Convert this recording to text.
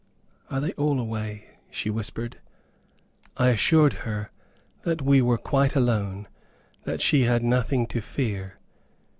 "Are they all away?" she whispered. I assured her that we were quite alone, that she had nothing to fear.